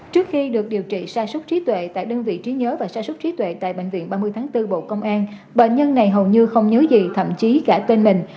trước khi được điều trị sai súc trí tuệ tại đơn vị trí nhớ và gia súc trí tuệ tại bệnh viện ba mươi tháng bốn bộ công an bệnh nhân này hầu như không nhớ gì thậm chí cả tên mình